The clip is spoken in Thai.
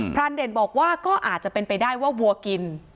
รานเด่นบอกว่าก็อาจจะเป็นไปได้ว่าวัวกิน